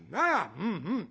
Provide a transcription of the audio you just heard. うんうん。